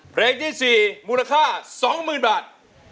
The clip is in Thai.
เพลงที่๔มูลค่า๒๐๐๐บาท